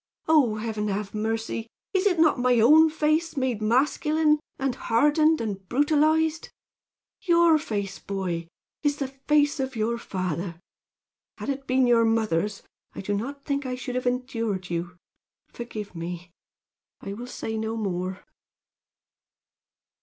Oh, Heaven, have mercy! Is it not my own face made masculine, and hardened and brutalized? Your face, boy, is the face of your father. Had it been your mother's, I do not think I should have endured you. Forgive me! I will say no more."